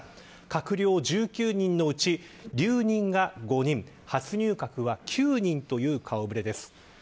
閣僚１９人のうち留任が５人初入閣が９人という顔ぶれです。